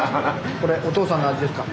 これおとうさんの味ですか？